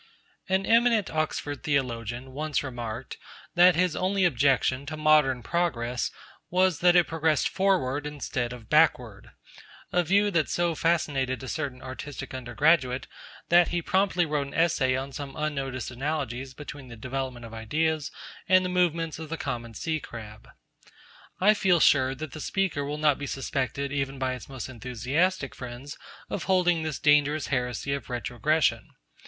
A eminent Oxford theologian once remarked that his only objection to modern progress was that it progressed forward instead of backward a view that so fascinated a certain artistic undergraduate that he promptly wrote an essay upon some unnoticed analogies between the development of ideas and the movements of the common sea crab. I feel sure the Speaker will not be suspected even by its most enthusiastic friends of holding this dangerous heresy of retrogression.